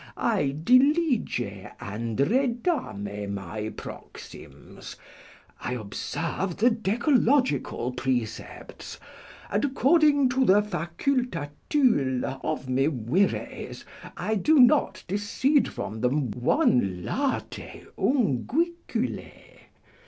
I dilige and redame my proxims. I observe the decalogical precepts, and, according to the facultatule of my vires, I do not discede from them one late unguicule.